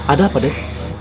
ada apa dan